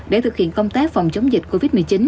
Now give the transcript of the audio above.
để thực hiện công tác phòng chống dịch covid một mươi chín